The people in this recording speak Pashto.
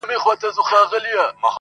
او هري تيږي، هر ګل بوټي، هري زرکي به مي،